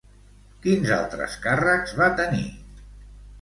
Quins altres càrrecs va tenir?